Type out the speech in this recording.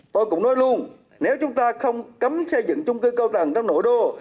tôi cũng nói luôn nếu chúng ta không cấm xây dựng chung cư cao tầng trong nội đô